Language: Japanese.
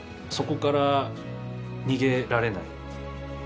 そこから逃げられない。